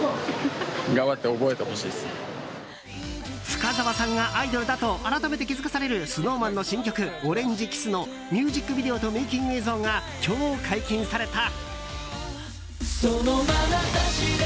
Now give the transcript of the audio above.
深澤さんがアイドルだと改めて気づかされるＳｎｏｗＭａｎの新曲「オレンジｋｉｓｓ」のミュージックビデオとメイキング映像が今日、解禁された。